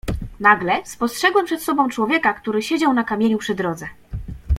"Nagle spostrzegłem przed sobą człowieka, który siedział na kamieniu przy drodze."